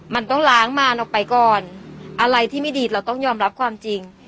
มันต้องล้างมารออกไปก่อนอะไรที่ไม่ดีเราต้องยอมรับความจริง